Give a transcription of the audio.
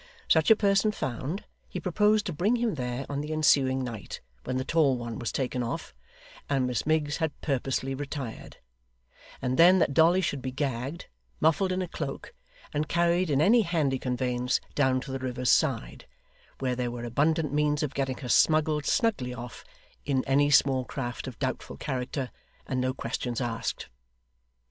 Such a person found, he proposed to bring him there on the ensuing night, when the tall one was taken off, and Miss Miggs had purposely retired; and then that Dolly should be gagged, muffled in a cloak, and carried in any handy conveyance down to the river's side; where there were abundant means of getting her smuggled snugly off in any small craft of doubtful character, and no questions asked.